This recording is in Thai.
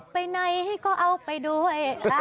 ไปไหนก็เอาไปด้วย